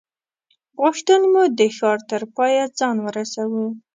غوښتل مو د ښار تر پایه ځان ورسوو.